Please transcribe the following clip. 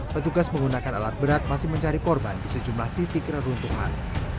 petugas menggunakan alat berat masih mencari korban di sejumlah titik reruntuhan